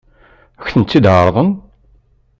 Ad kent-tt-ɛeṛḍen?